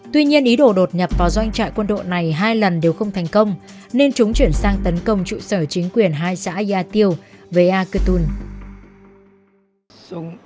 tuy nhiên ý đồ đột nhập vào doanh trại quân đội này hai lần đều không thành công nên chúng chuyển sang tấn công trụ sở chính quyền hai xã gia tiêu với akutun